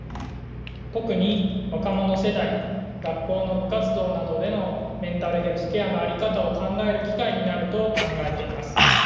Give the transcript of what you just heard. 特に若者世代学校の部活動などでのメンタルヘルスケアの在り方を考える機会になると考えています。